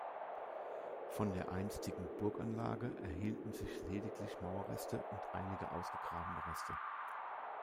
Von der einstigen Burganlage erhielten sich lediglich Mauerreste und einige ausgegrabene Reste.